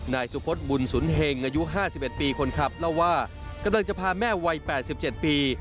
นายสุพศบุญสุนเฮงอายุ๕๑ปีคนขับเล่าว่ากำลังจะพาแม่วัย๘๗ปี